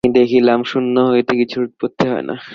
আমরা দেখিলাম শূন্য হইতে কিছুর উৎপত্তি হয় না।